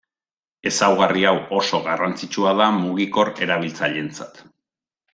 Ezaugarri hau oso garrantzitsua da mugikor erabiltzaileentzat.